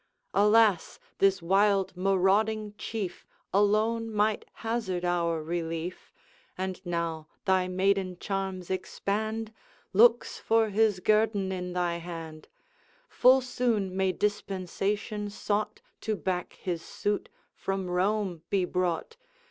Alas, this wild marauding Chief Alone might hazard our relief, And now thy maiden charms expand, Looks for his guerdon in thy hand; Full soon may dispensation sought, To back his suit, from Rome be brought.